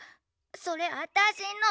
それあたしの！